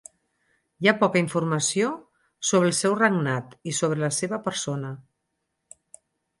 Hi ha poca informació sobre el seu regnat i sobre la seva persona.